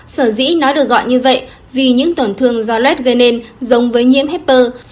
sở dĩ nó được gọi như vậy vì những tổn thương do lết gây nên giống với nhiễm hepper